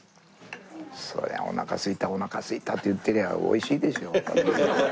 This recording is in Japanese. そりゃおなか空いたおなか空いたって言ってりゃ美味しいでしょう。